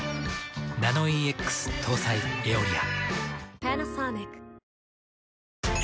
ナノイーＸ搭載「エオリア」。